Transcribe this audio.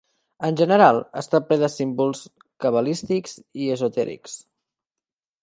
En general està ple de símbols cabalístics i esotèrics.